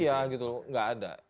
iya gitu nggak ada